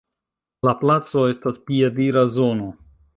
La placo estas piedira zono.